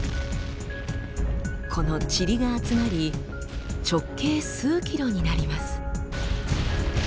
このチリが集まり直径数ｋｍになります。